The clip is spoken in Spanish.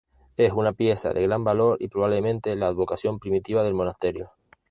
Es una pieza de gran valor y probablemente la advocación primitiva del monasterio.